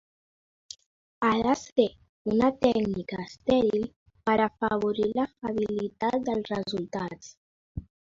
Ha de ser una tècnica estèril per afavorir la fiabilitat dels resultats.